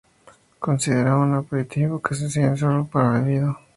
Es considerado un aperitivo que se sirve solo, para ser bebido.